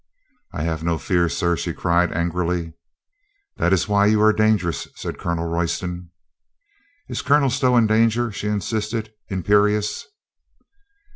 "I have no fear, sir," she cried angrily. "That is why you are dangerous," said Colonel Royston. "Is Colonel Stow in danger?" she insisted, im perious.